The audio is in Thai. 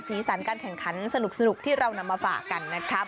สีสันการแข่งขันสนุกที่เรานำมาฝากกันนะครับ